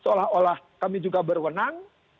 seolah olah kami juga berwenang